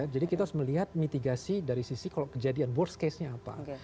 jadi kita harus melihat mitigasi dari sisi kalau kejadian worst case nya apa